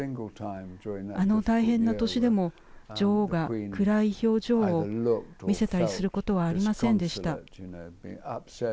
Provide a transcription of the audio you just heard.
あの大変な年でも女王が暗い表情を見せたりすることはありませんでした。